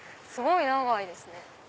すごい長いですね。